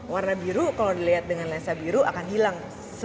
warna biru kalau dilihat dengan lensa biru akan hilang